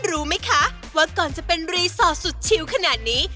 รู้ไหมคะว่าก่อนจะเป็นรีสอร์ทสุดชิวขนาดนี้